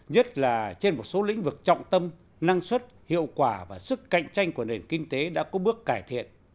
nhất là trên một số lĩnh vực trọng tâm năng suất hiệu quả và sức cạnh tranh của nền kinh tế đã có bước cải thiện